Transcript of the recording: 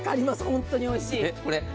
本当においしい。